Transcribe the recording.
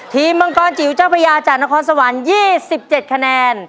ทีมบังกอนจิ๋วเจ้าพระยาจากนครสวรรค์ยี่สิบเจ็ดคะแนน